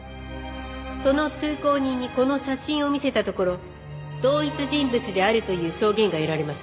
その通行人にこの写真を見せたところ同一人物であるという証言が得られました。